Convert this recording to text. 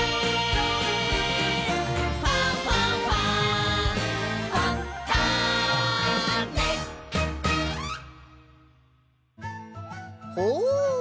「ファンファンファン」ほう！